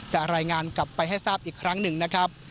รายงานกลับไปให้ทราบอีกครั้งหนึ่งนะครับ